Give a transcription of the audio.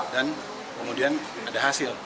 dan kemudian ada hasil